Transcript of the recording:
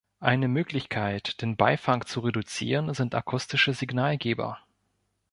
Eine Möglichkeit, den Beifang zu reduzieren, sind akustische Signalgeber.